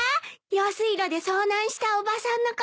用水路で遭難したおばさんのこと。